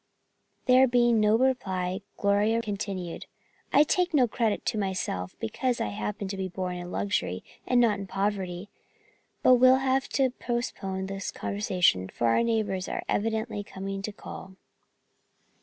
There being no reply, Gloria continued: "I take no credit to myself because I happened to be born in luxury and not in poverty, but we'll have to postpone this conversation, for our neighbors are evidently coming to call."